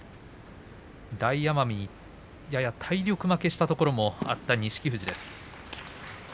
大奄美にやや体力負けしたところもあった錦富士です。